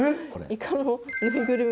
イカの内臓ぬいぐるみ。